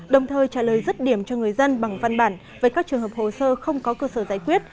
đồng thời trả lời rứt điểm cho người dân bằng văn bản về các trường hợp hồ sơ không có cơ sở giải quyết